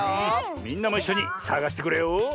みんなもいっしょにさがしてくれよ！